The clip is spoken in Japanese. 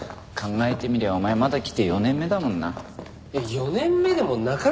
考えてみりゃお前まだ来て４年目だもんな。